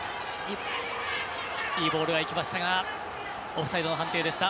いいボールがいきましたがオフサイドの判定でした。